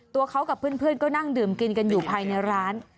ตัวเขากับเพื่อนก็นั่งดื่มกินกันอยู่ภายในร้าน